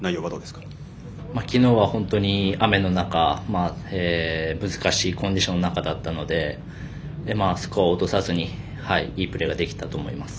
昨日は本当に雨の中難しいコンディションの中だったのでスコアを落とさずにいいプレーができたと思います。